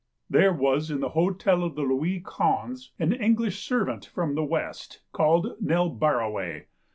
There was in the hotel of the Louis Ouinze an Eng lish servant from the west called Nell Barraway.